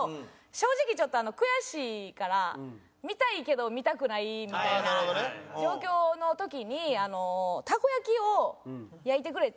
正直ちょっと悔しいから見たいけど見たくないみたいな状況の時にたこ焼きを焼いてくれて。